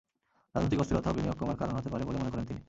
রাজনৈতিক অস্থিরতাও বিনিয়োগ কমার কারণ হতে পারে বলে মনে করেন তিনি।